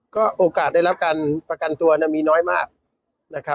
ก็โอกาสได้รับการประกันตัวมีน้อยมากนะครับ